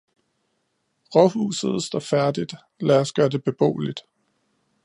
Råhuset står færdigt, lad os gøre det beboeligt.